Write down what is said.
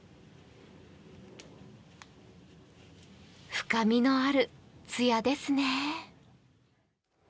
深見のあるつやですね。